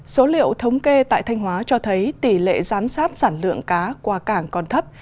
số liệu thống kê tại thanh hóa cho thấy tỷ lệ giám sát sản lượng cá qua cảng còn thấp